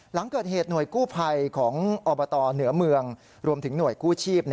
หลังเกิดเหตุหน่วยกู้ภัยของอบตเหนือเมืองรวมถึงหน่วยกู้ชีพ